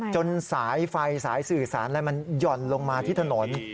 สายไฟสายสื่อสารอะไรมันหย่อนลงมาที่ถนน